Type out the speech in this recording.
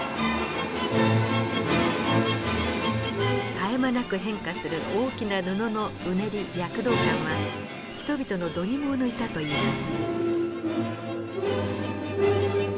絶え間なく変化する大きな布のうねり躍動感は人々のどぎもを抜いたといいます。